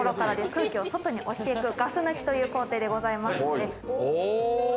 空気を外に押していくガス抜きという工程でございます。